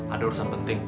ada urusan penting